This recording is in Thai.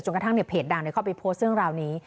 กระทั่งเพจดังเข้าไปโพสต์เรื่องราวนี้